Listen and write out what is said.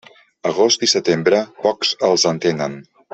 Agost i setembre, pocs els entenen.